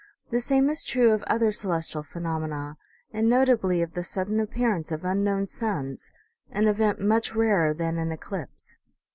The same is true of other celestial phenomena and notably of the sudden appearance of unknown suns, an event much rarer than an eclipse.